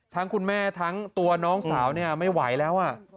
คุณแม่ทั้งตัวน้องสาวไม่ไหวแล้ว